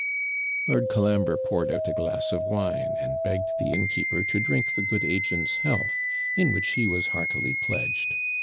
Lord Colambre poured out a glass of wine, and begged the innkeeper to drink the good agent's health, in which he was heartily pledged.